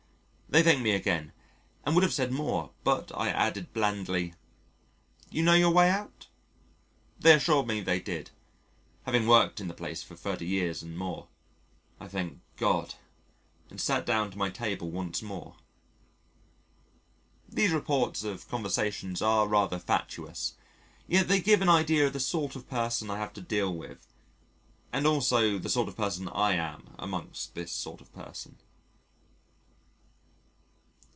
They thanked me again and would have said more but I added blandly: "You know your way out?" They assured me they did (having worked in the place for 30 years and more) I thanked God and sat down to my table once more. (These reports of conversations are rather fatuous: yet they give an idea of the sort of person I have to deal with, and also the sort of person I am among this sort of person.)